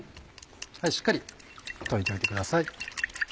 しっかり溶いておいてください。